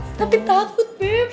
tapi takut beb